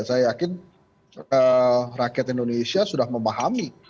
saya yakin rakyat indonesia sudah memahami